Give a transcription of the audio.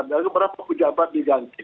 ada beberapa pejabat diganti